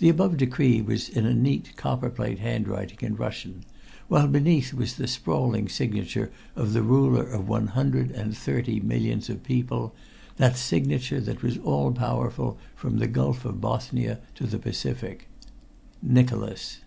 The above decree was in a neat copper plate handwriting in Russian, while beneath was the sprawling signature of the ruler of one hundred and thirty millions of people, that signature that was all powerful from the gulf of Bothnia to the Pacific "Nicholas."